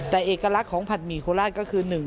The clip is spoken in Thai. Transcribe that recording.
แต่เอกลักษณ์ของผัดหมี่โคราชก็คือ